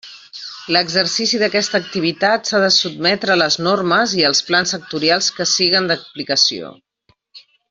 L'exercici d'aquesta activitat s'ha de sotmetre a les normes i els plans sectorials que siguen d'aplicació.